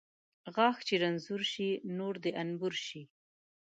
غاښ چې رنځور شي ، نور د انبور شي .